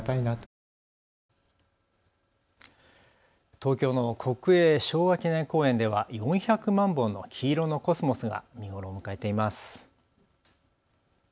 東京の国営昭和記念公園では４００万本の黄色のコスモスが見頃を迎えています。